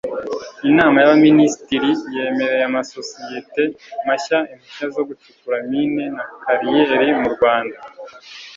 inama y'abaminisitiri yemereye amasosiyete mashya impushya zo gucukura mine na kariyeri mu rwanda